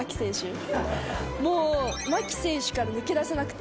牧選手から抜け出せなくて。